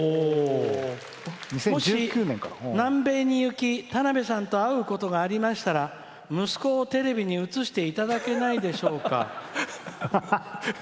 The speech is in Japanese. もし、南米に行き、田邊さんと会うことがありましたら息子をテレビに映していただけないでしょうか」。